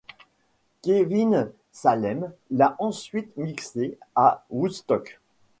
Kevin Salem l'a ensuite mixé à Woodstock.